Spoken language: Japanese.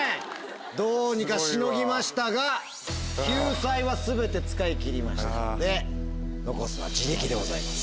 どうにかしのぎましたが救済は全て使い切りましたので残すは自力でございます。